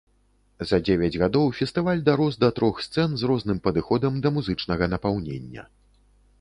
За дзевяць гадоў фестываль дарос да трох сцэн з розным падыходам да музычнага напаўнення.